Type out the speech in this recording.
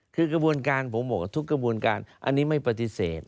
คือกระบวนการผมบอกว่าทุกกระบวนการอันนี้ไม่ปฏิเสธ